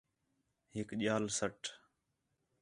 ہِک ڄال سَٹ